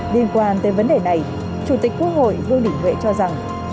liên quan tới vấn đề này chủ tịch quốc hội lưu đỉnh huệ cho rằng